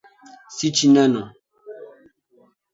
Sichi neno